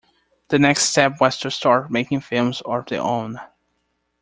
The next step was to start making films of their own.